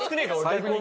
逆に。